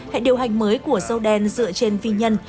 hệ điều hành mới của sâu đen dựa trên vi nhân